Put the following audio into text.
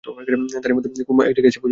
তারই মধ্যে কুমু এক জায়গায় বসে গেল।